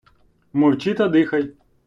Мовчи та дихай.